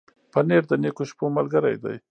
پنېر د نېکو شپو ملګری دی.